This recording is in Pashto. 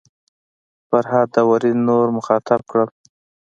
فرهاد داوري نور مخاطب کړل.